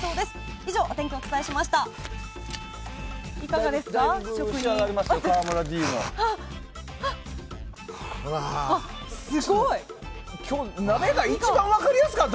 以上、お天気お伝えしました。